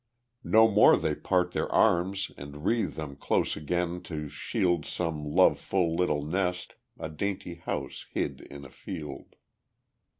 No more they part their arms, and wreathe them close Again to shield Some love full little nest a dainty house Hid in a field.